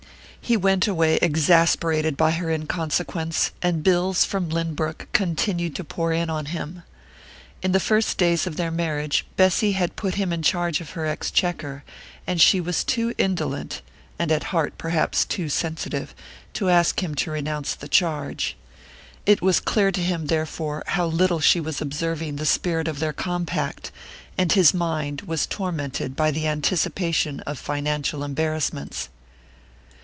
He went away exasperated by her inconsequence, and bills from Lynbrook continued to pour in on him. In the first days of their marriage, Bessy had put him in charge of her exchequer, and she was too indolent and at heart perhaps too sensitive to ask him to renounce the charge. It was clear to him, therefore, how little she was observing the spirit of their compact, and his mind was tormented by the anticipation of financial embarrassments.